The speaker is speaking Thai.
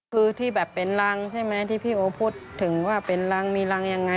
คือที่แบบเป็นรังใช่ไหมที่พี่โอพูดถึงว่าเป็นรังมีรังยังไง